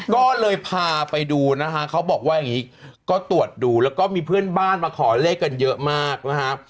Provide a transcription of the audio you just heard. ก็เลยพาไปดูนะคะเขาบอกว่าอย่างนี้ก็ตรวจดูแล้วก็มีเพื่อนบ้านมาขอเลขกันเยอะมากนะฮะ